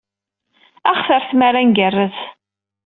Ad aɣ-terr tmara ad ngerrez.